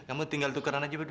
kamu tinggal tukeran aja berdua